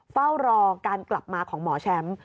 เฝ้ารอการกลับมาของหมอแชมป์